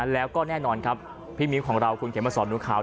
แล้วก็แน่นอนครับพี่มิ้วของเราคุณเขมสอนหนูขาว